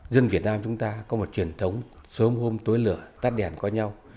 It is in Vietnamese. dân việt nam chúng ta có một truyền thống sớm hôm tối lửa tắt đèn có nhau